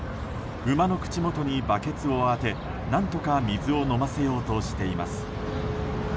馬の口元にバケツを当て何とか水を飲ませようとしています。